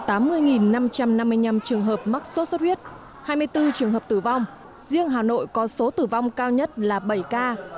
bộ y tế ghi nhận tám mươi năm trăm năm mươi năm trường hợp mắc sốt xuất huyết hai mươi bốn trường hợp tử vong riêng hà nội có số tử vong cao nhất là bảy ca